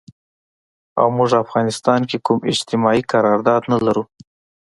او مونږ افغانستان کې کوم اجتماعي قرارداد نه لرو